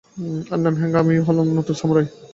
আমার নাম হ্যাংক, আর আমি হলাম নতুন সামুরাই।